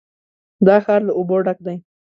دا ښار له اوبو ډک دی.